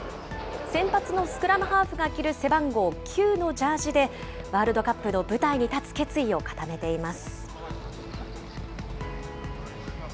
先発のスクラムハーフが着る背番号９のジャージでワールドカップの舞台に立つ決意を固めています。